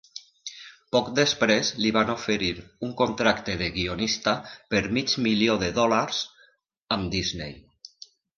Poc després, li van oferir un contracte de guionista per mig milió de dòlars amb Disney.